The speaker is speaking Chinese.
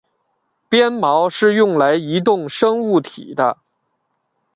鞭毛是用来移动生物体的。